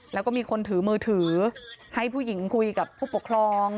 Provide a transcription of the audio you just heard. แล้วก็มีคนถือมือถือให้ผู้หญิงคุยกับผู้ปกครอง